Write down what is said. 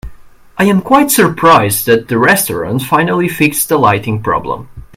I am quite surprised that the restaurant finally fixed the lighting problem.